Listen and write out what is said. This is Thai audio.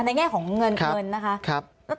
ในแง่ของเงินนะคะครับ